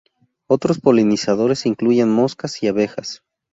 Otros polinizadores incluyen moscas y abejas.